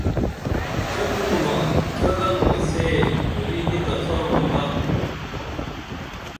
کیہ کُنومہ کیہ گنُومہ سے کوری نی کڅامہ بہ